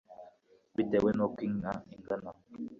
bitewe n'uko inka ingana.